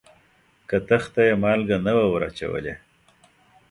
کتغ ته یې مالګه نه وه وراچولې.